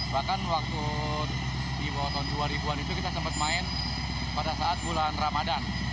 bahkan waktu di bawah tahun dua ribu an itu kita sempat main pada saat bulan ramadan